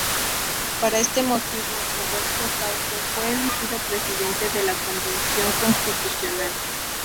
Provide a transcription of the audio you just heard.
Para este motivo Roberto Suazo fue elegido presidente de la convención constitucional.